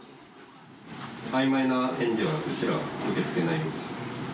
あいまいな返事は、うちらは受け付けないよ。